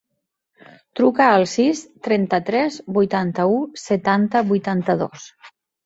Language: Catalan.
Truca al sis, trenta-tres, vuitanta-u, setanta, vuitanta-dos.